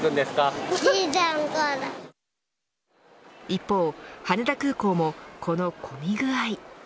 一方、羽田空港もこの混み具合。